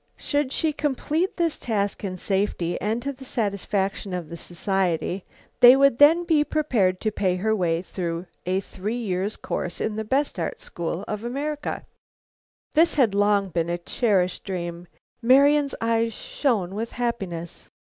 Should she complete this task in safety and to the satisfaction of the society, she would then be prepared to pay her way through a three years' course in the best art school of America. This had long been a cherished dream. Marian's eyes shone with happiness.